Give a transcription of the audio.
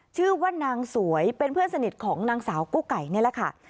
ชื่อว่านางสวยเป็นเพื่อนสนิทของนางสาวกุ๊กไก่นี่แหละค่ะ